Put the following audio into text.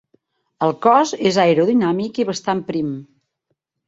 El cos és aerodinàmic i bastant prim.